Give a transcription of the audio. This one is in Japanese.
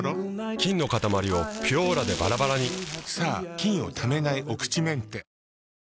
菌のかたまりを「ピュオーラ」でバラバラにさぁ菌をためないお口メンテ。